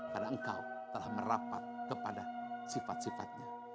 karena engkau telah merapat kepada sifat sifatnya